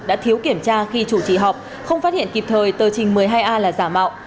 đã thiếu kiểm tra khi chủ trì họp không phát hiện kịp thời tờ trình một mươi hai a là giả mạo